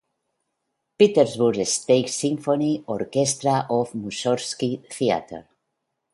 Petersburg State Symphony Orchestra of Mussorgsky Theatre.